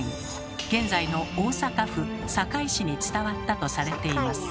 現在の大阪府堺市に伝わったとされています。